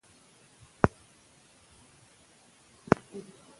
کله چې روغتیايي مرکزونه نږدې وي، بې وسۍ نه پاتې کېږي.